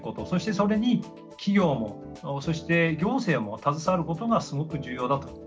そしてそれに企業もそして行政も携わることがすごく重要だと。